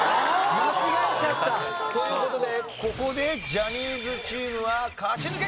間違えちゃった！という事でここでジャニーズチームは勝ち抜け決定！